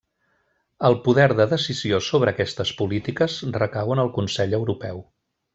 El poder de decisió sobre aquestes polítiques recau en el Consell Europeu.